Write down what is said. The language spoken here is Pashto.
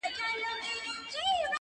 o اوس په ځان پوهېږم چي مين يمه.